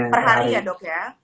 per hari ya dok ya